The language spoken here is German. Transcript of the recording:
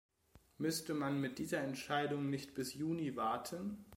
Müsste man mit dieser Entscheidung nicht bis Juni warten?